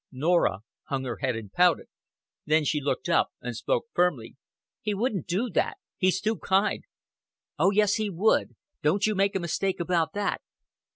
Norah hung her head and pouted. Then she looked up and spoke firmly. "He wouldn't do it. He's too kind." "Oh, yes, he would. Don't you make a mistake about that."